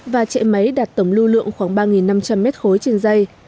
và chạy máy đạt tầm lưu lượng khoảng một triệu đồng